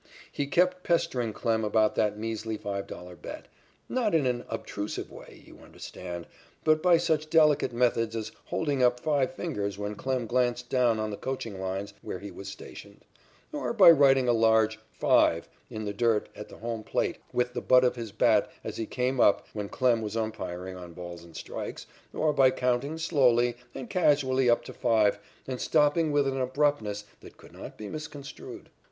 He kept pestering Klem about that measly $5 bet, not in an obtrusive way, you understand, but by such delicate methods as holding up five fingers when Klem glanced down on the coaching lines where he was stationed, or by writing a large "5" in the dirt at the home plate with the butt of his bat as he came up when Klem was umpiring on balls and strikes, or by counting slowly and casually up to five and stopping with an abruptness that could not be misconstrued.